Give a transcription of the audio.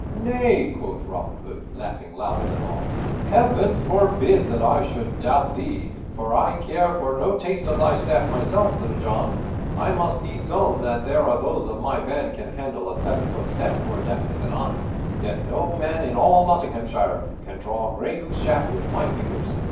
"Nay," quoth Robin Hood, laughing louder than all. "Heaven forbid that I should doubt thee, for I care for no taste of thy staff myself, Little John. I must needs own that there are those of my band can handle a seven foot staff more deftly than I; yet no man in all Nottinghamshire can draw gray goose shaft with my fingers.